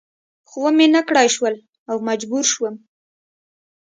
خو و مې نه کړای شول او مجبور شوم.